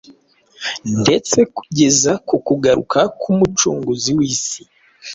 ndetse kugeza ku kugaruka k’Umucunguzi w’isi.